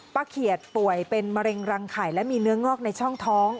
เขียดป่วยเป็นมะเร็งรังไข่และมีเนื้องอกในช่องท้อง